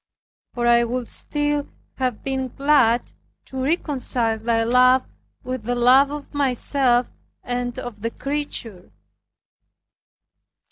For I would still have been glad to reconcile Thy love with the love of myself and of the creature.